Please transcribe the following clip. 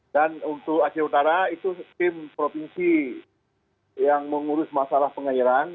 dan untuk aceh utara itu tim provinsi yang mengurus masalah pengairan